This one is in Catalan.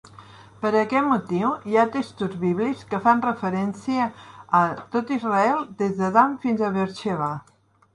Per aquest motiu, hi ha textos bíblics que fan referència a "Tot Israel, des de Dan fins a Beerxeba".